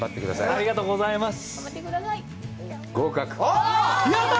ありがとうございます。